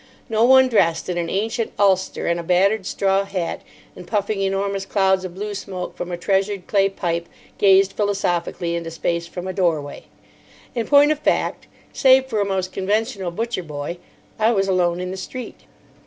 No one dressed in an ancient ulster and a battered straw hat and puffing enormous clouds of blue smoke from a treasured clay pipe gazed philosophically into space from a doorway. In point of fact, save for a most conventional butcher boy, I was alone in the street.